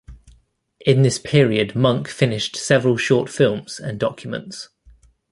In this period Munk finished several short films and documents.